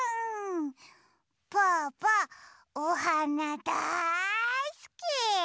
ぽぅぽおはなだいすき。